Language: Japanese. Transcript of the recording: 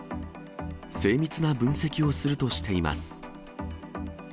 精密な分析をするとしています。